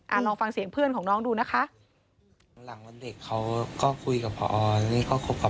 ลองฟังเสียงเพื่อนของน้องดูนะคะ